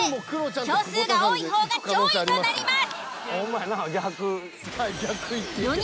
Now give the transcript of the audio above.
票数が多い方が上位となります。